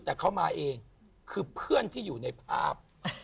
แต่เขามาเองคือเพื่อนที่อยู่ในภาพ